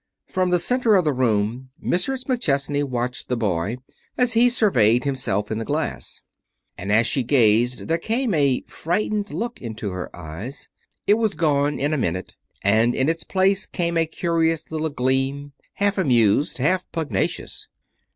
From the center of the room Mrs. McChesney watched the boy as he surveyed himself in the glass. And as she gazed there came a frightened look into her eyes. It was gone in a minute, and in its place came a curious little gleam, half amused, half pugnacious.